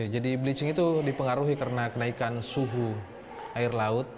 jadi bleaching itu dipengaruhi karena kenaikan suhu air laut